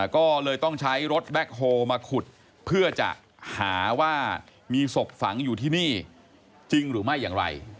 ก็เลยต้องใช้รถแบ็คโฮลมาขุดเพื่อจะหาว่ามีศพฝังอยู่ที่นี่จริงหรือไม่อย่างไร